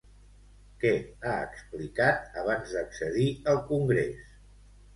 Què ha explicat abans d'accedir al congrés?